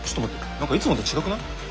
何かいつもと違くない？